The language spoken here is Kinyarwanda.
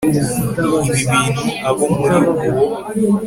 ibi bintu Abo muri uwo